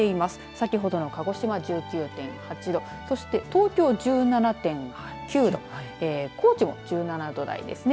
先ほどの鹿児島は１９．８度そして、東京１７．９度高知も１７度台ですね。